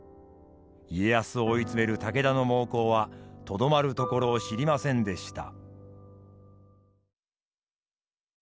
家康を追い詰める武田の猛攻はとどまるところを知りませんでした。